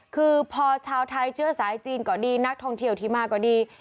คือพอชาวไทยเชื้อสายจีนก็ดีนักท่องเที่ยวที่มาก็ดี